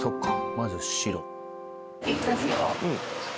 まず白。